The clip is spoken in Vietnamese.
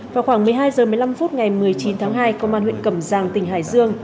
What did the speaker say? vào khoảng một mươi hai h một mươi năm phút ngày một mươi chín tháng hai công an huyện cẩm giang tỉnh hải dương